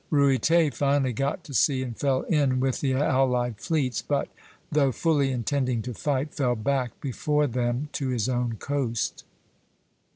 Ruyter finally got to sea and fell in with the allied fleets, but though fully intending to fight, fell back before them to his own coast.